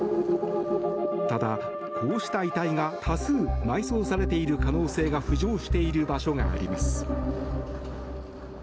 ただ、こうした遺体が多数、埋葬されている可能性が浮上している場所があります。